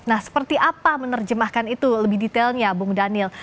nah seperti apa menerjemahkan itu lebih detailnya bung daniel